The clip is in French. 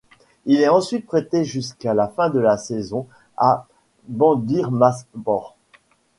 Il est ensuite prêté jusqu'à la fin de la saison à Bandırmaspor.